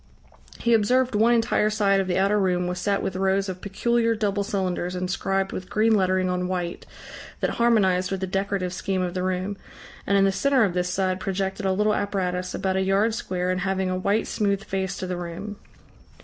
He observed one entire side of the outer room was set with rows of peculiar double cylinders inscribed with green lettering on white that harmonized with the decorative scheme of the room, and in the centre of this side projected a little apparatus about a yard square and having a white smooth face to the room.